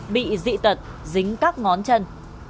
bị dị tật dính các ngón chân